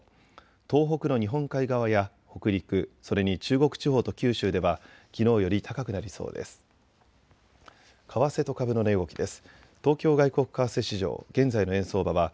東北の日本海側や北陸、それに中国地方と九州ではきのうより高くなりそうです。